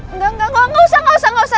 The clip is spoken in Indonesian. enggak enggak gak usah enggak usah enggak usah